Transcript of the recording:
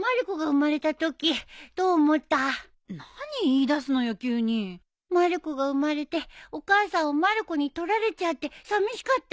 まる子が生まれてお母さんをまる子に取られちゃってさみしかった？